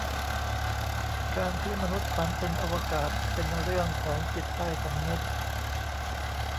การที่มนุษย์ฝันถึงอวกาศ เป็นเรื่องของจิตใต้สำนึก